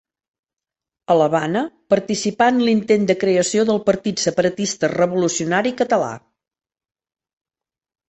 A l'Havana participà en l'intent de creació del Partit Separatista Revolucionari Català.